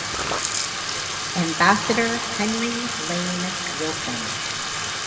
Ambassador Henry Lane Wilson.